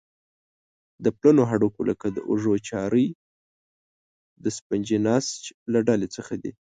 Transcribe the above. د پلنو هډوکو لکه د اوږو چارۍ د سفنجي نسج له ډلې څخه دي.